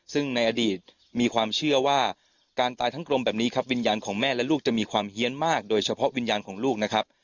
ซึ่งในอดีตมีความเชื่อว่าการตายทั้งกรมแบบนี้ครับวิญญาณของแม่และลูกจะมีความเฮียนมากโดยเฉพาะวิญญาณของลูกนะครับ